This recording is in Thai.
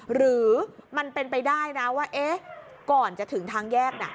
หรือมันเป็นไปได้นะว่าเอ๊ะก่อนจะถึงทางแยกน่ะ